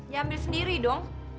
ya ambil sendiri dong